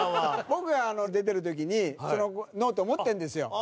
僕が出てる時にそのノートを持ってるんですよ。